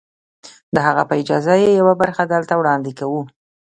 د هغه په اجازه يې يوه برخه دلته وړاندې کوو.